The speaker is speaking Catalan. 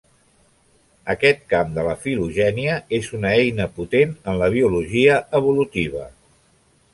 Aquest camp de la filogènia és una eina potent en la biologia evolutiva.